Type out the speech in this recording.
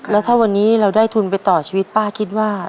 แล้วถ้าวันนี้เราได้ทุนไปต่อชีวิตป้าคิดว่า